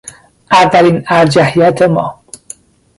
اولین ارجحیت ما